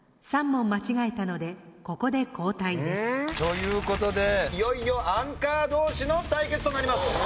３問間違えたのでここで交代です。という事でいよいよアンカー同士の対決となります。